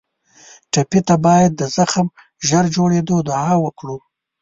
ټپي ته باید د زخم ژر جوړېدو دعا وکړو.